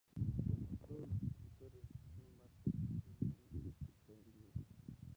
No todos los escritores, sin embargo, recibían estipendio.